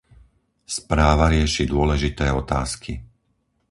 Správa rieši dôležité otázky.